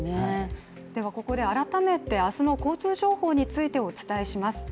ではここで改めて明日の交通情報についてお伝えします。